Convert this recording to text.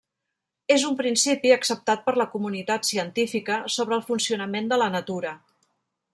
És un principi acceptat per la comunitat científica sobre el funcionament de la natura.